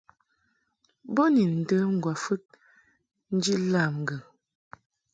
Bo ni ndəm ŋgwafɨd nji lam ŋgɨŋ.